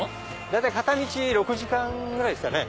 大体片道６時間ぐらいですかね。